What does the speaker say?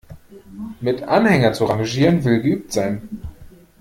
Mit Anhänger zu rangieren, will geübt sein.